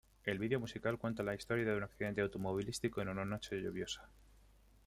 El vídeo musical cuenta la historia de un accidente automovilístico en una noche lluviosa.